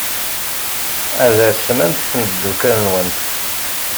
Ad asment tmeddukal-nwent.